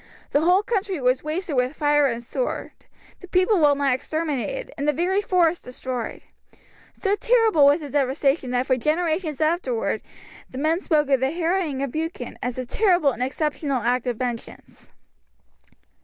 The whole country was wasted with fire and sword, the people well nigh exterminated, and the very forests destroyed. So terrible was the devastation that for generations afterwards men spoke of the harrying of Buchan as a terrible and exceptional act of vengeance.